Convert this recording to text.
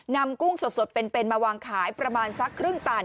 กุ้งสดเป็นมาวางขายประมาณสักครึ่งตัน